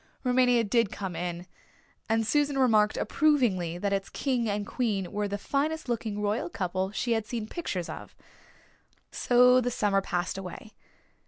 Rumania did come in and Susan remarked approvingly that its king and queen were the finest looking royal couple she had seen pictures of. So the summer passed away.